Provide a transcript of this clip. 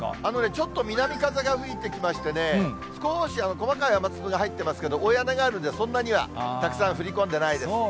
ちょっと南風が吹いてきましてね、少し細かい雨粒が入ってますけど、大屋根があるんで、そんなにはたくさん降り込んでないです。